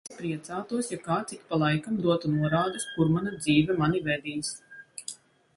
Es priecātos, ja kāds ik pa laikam dotu norādes, kur mana dzīve mani vedīs.